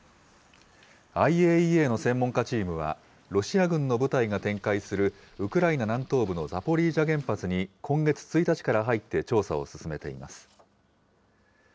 ＩＡＥＡの専門家チームは、ロシア軍の部隊が展開する、ウクライナ南東部のザポリージャ原発に今月１日から入って、調査を進めています。